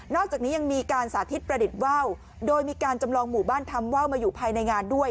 อกจากนี้ยังมีการสาธิตประดิษฐ์ว่าวโดยมีการจำลองหมู่บ้านทำว่าวมาอยู่ภายในงานด้วย